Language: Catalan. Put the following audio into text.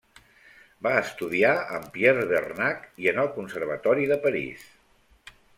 Va estudiar amb Pierre Bernac i en el Conservatori de París.